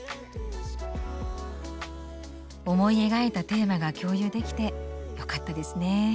思い描いたテーマが共有できてよかったですね。